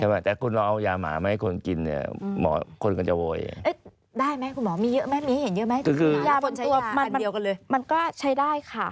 มันยากก็ใช้ได้ค่ะ